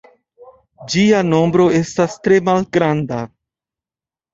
Ĝia nombro estas tre malgranda.